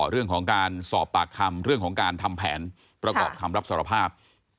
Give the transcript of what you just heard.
เรื่องของการสอบปากคำเรื่องของการทำแผนประกอบคำรับสารภาพ